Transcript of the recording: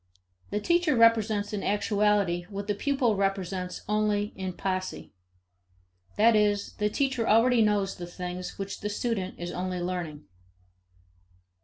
The teacher presents in actuality what the pupil represents only in posse. That is, the teacher already knows the things which the student is only learning.